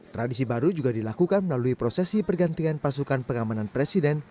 tradisi baru juga dilakukan melalui prosesi pergantian pasukan pengamanan presiden